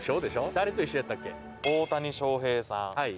誰と一緒やったっけ？